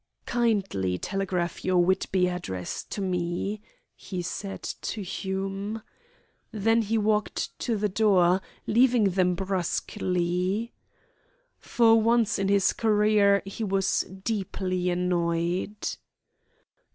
"Kindly telegraph your Whitby address to me," he said to Hume. Then he walked to the door, leaving them brusquely. For once in his career he was deeply annoyed.